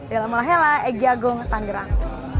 yalah malah helah egi agung tanggerang